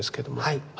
はい。